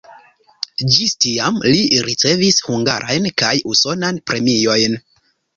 Ĝis tiam li ricevis hungarajn kaj usonan premiojn.